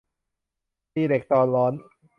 ตีเหล็กตอนร้อน